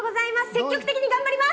積極的に頑張ります！